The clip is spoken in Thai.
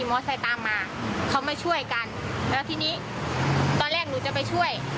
ที่มอเตอร์ไซตามมาเค้ามาช่วยกันแล้วที่นี้ตอนแรกหนูจะไปช่วย